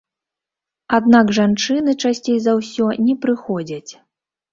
Аднак жанчыны часцей за ўсё не прыходзяць.